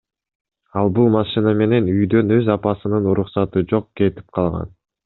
Ал бул машина менен үйдөн өз апасынын уруксаты жок кетип калган.